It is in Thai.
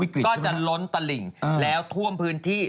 ก็จะล้นตลิ่งแล้วท่วมพื้นที่